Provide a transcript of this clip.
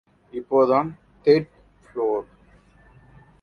இப்போதான் third floor.